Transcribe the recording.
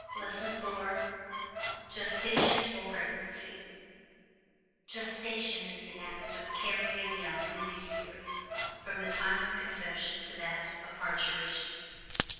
LESSON IV GESTATION OR PREGNANCY Gestation is "the act of carrying young in the Uterus, from the time of conception to that of parturition."